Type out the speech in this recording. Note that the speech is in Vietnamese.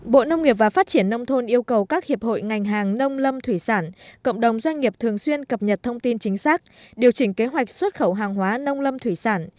bộ nông nghiệp và phát triển nông thôn yêu cầu các hiệp hội ngành hàng nông lâm thủy sản cộng đồng doanh nghiệp thường xuyên cập nhật thông tin chính xác điều chỉnh kế hoạch xuất khẩu hàng hóa nông lâm thủy sản